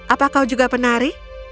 apa kau juga penari